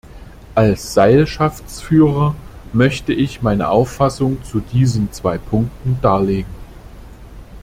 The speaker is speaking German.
Als Seilschaftsführer möchte ich meine Auffassung zu diesen zwei Punkten darlegen.